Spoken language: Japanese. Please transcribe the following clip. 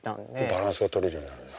バランスが取れるようになるんだ。